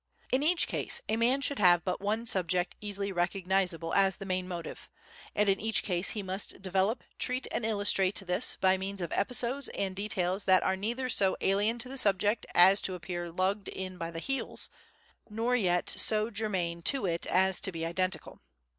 In each case a man should have but one subject easily recognisable as the main motive, and in each case he must develop, treat and illustrate this by means of episodes and details that are neither so alien to the subject as to appear lugged in by the heels, nor yet so germane to it as to be identical.